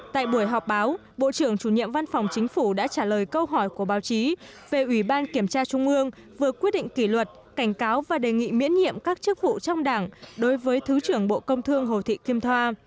tại buổi họp báo bộ trưởng chủ nhiệm văn phòng chính phủ đã trả lời câu hỏi của báo chí về ủy ban kiểm tra trung ương vừa quyết định kỷ luật cảnh cáo và đề nghị miễn nhiệm các chức vụ trong đảng đối với thứ trưởng bộ công thương hồ thị kim thoa